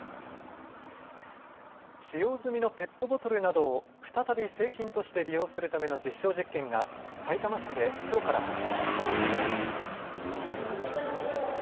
使用済みのペットボトルなどを再び製品として利用するための実証実験がさいたま市できょうから始まりました。